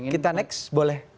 kita next boleh